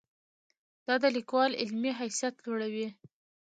دا د لیکوال علمي حیثیت لوړوي.